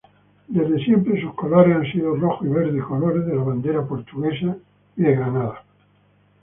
Desde siempre sus colores han sido rojo y verde, colores de la bandera Portuguesa.